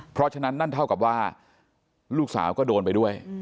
เพราะฉะนั้นนั่นเท่ากับว่าลูกสาวก็โดนไปด้วย